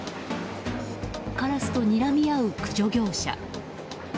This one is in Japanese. カラスとにらみ合う駆除業者。